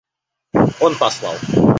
Он послал.